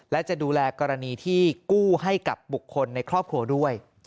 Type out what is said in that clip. และจะดูแลกรณีที่กู้ให้กับบุคคลในครอบครัวด้วย